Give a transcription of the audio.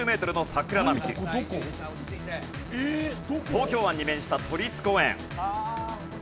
東京湾に面した都立公園。